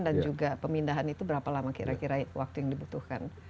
dan juga pemindahan itu berapa lama kira kira waktu yang dibutuhkan